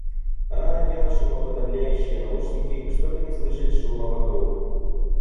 Она надела шумоподовляющие наушники, чтобы не слышать шума вокруг.